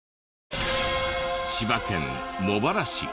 千葉県茂原市。